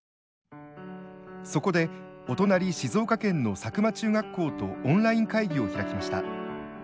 そこでお隣静岡県の佐久間中学校とオンライン会議を開きました。